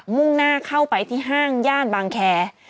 มุ่งหน้าเข้าไปที่ห้างย่านบางแคร์